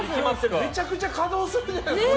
めちゃくちゃ稼働するじゃないですか。